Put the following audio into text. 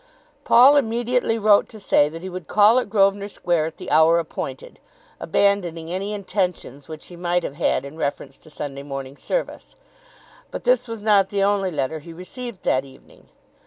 Paul immediately wrote to say that he would call at Grosvenor Square at the hour appointed, abandoning any intentions which he might have had in reference to Sunday morning service. But this was not the only letter he received that evening.